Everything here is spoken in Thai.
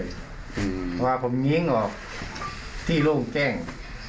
เพราะว่าผมยิงออกที่โล่งแจ้ง